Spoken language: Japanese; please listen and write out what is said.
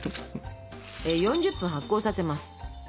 ４０分発酵させます。